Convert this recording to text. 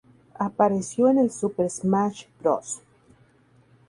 Apareció en el Super Smash Bros.